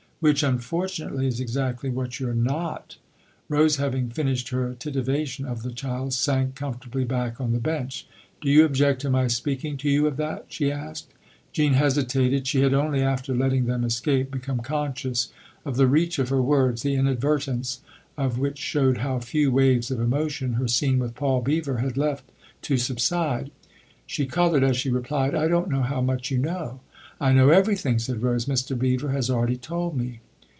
" Which, unfortunately, is exactly what you're not !" Rose, having finished her titivation of the child, sank comfortably back on the bench. "Do you object to my speaking to you of that ?" she asked. Jean hesitated ; she had only after letting them escape become conscious of the reach of her words, the inadvertence of which showed how few waves of emotion her scene with Paul Beever had left to THE OTHER HOUSE 225 subside. She coloured as she replied :" I don't know how much you know." " I know everything," said Rose. " Mr. Beever has already told me."